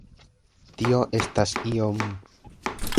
Tio estas iom...